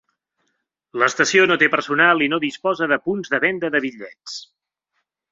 L'estació no té personal i no disposa de punts de venda de bitllets.